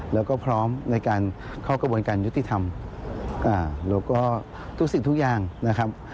แล้วก็พร้อมในการเข้ากระบวนการยุติธรรมแล้วก็ทุกสิ่งทุกอย่างนะครับ